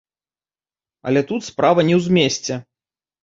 Але тут справа не ў змесце.